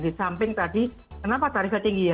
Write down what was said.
di samping tadi kenapa tarifnya tinggi ya